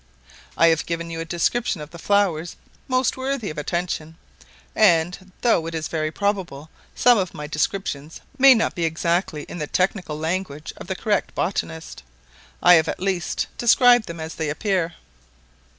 I have given you a description of the flowers most worthy of attention; and, though it is very probable some of my descriptions may not be exactly in the technical language of the correct botanist, I have at least described them as they appear.